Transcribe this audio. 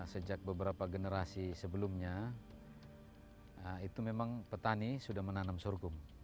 sejak beberapa generasi sebelumnya itu memang petani sudah menanam sorghum